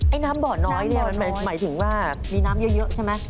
ไอ้น้ำบ่อน้อยหมายถึงว่ามีน้ำเยอะใช่ไหม